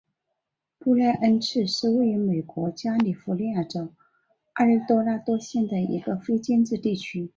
布赖恩茨是位于美国加利福尼亚州埃尔多拉多县的一个非建制地区。